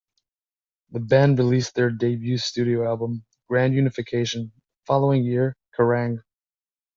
The band released their debut studio album, "Grand Unification", the following year; "Kerrang!